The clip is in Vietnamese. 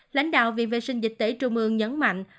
lãnh đạo viện vệ sinh dịch tễ trung ương nhấn mạnh